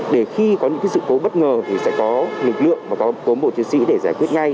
để khi có những sự cố bất ngờ thì sẽ có lực lượng và có bộ y sĩ để giải quyết ngay